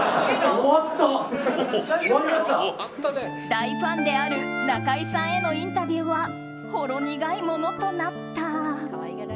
大ファンである中井さんへのインタビューはほろ苦いものとなった。